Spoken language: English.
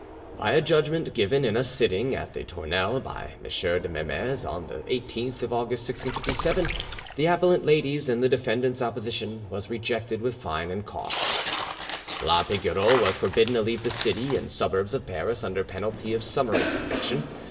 By a judgment given in a sitting at the Tournelle by M. de Mesmes, on the 18th of August 1657, the appellant ladies' and the defendants' opposition was rejected with fine and costs. La Pigoreau was forbidden to leave the city and suburbs of Paris under penalty of summary conviction.